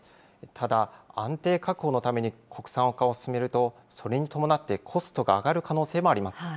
ただ、安定確保のために国産化を進めると、それに伴ってコストが上がる可能性もあります。